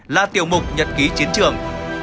là tiểu mục nhật ký chiến trường